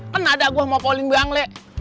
kan ada gua mau polin bang leh